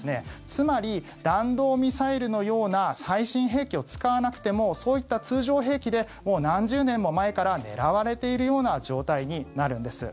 つまり、弾道ミサイルのような最新兵器を使わなくてもそういった通常兵器でもう何十年も前から狙われているような状態になるんです。